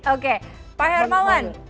oke pak hermawan